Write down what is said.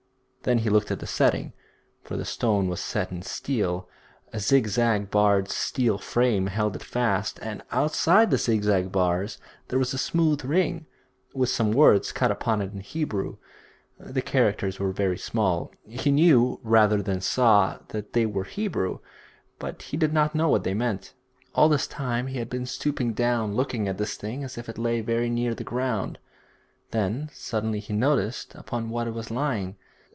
Then he looked at the setting, for the stone was set in steel. A zigzag barred steel frame held it fast, and outside the zigzag bars there was a smooth ring, with some words cut upon it in Hebrew. The characters were very small; he knew, rather than saw, that they were Hebrew; but he did not know what they meant. All this time he had been stooping down, looking at this thing as if it lay very near the ground. Then suddenly he noticed upon what it was lying.